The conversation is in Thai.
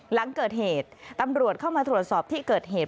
หลังเกิดเหตุตำรวจเข้ามาตรวจสอบที่เกิดเหตุ